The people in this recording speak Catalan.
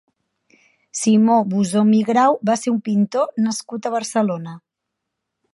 Simó Busom i Grau va ser un pintor nascut a Barcelona.